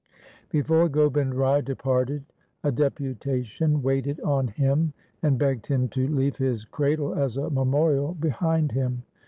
Before Gobind Rai departed, a deputation waited on him and begged him to leave his cradle as a memorial behind him.